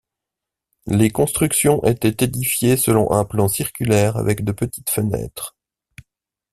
Les constructions étaient édifiées selon un plan circulaire avec de petites fenêtres.